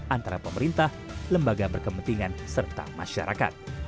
antara pemerintah lembaga berkepentingan serta masyarakat